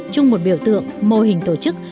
chung một biểu tượng mô hình tổ chức